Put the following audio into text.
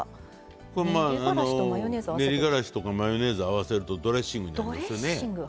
練りがらしとかマヨネーズを合わせるとドレッシングになりますよね。